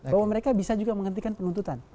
bahwa mereka bisa juga menghentikan penuntutan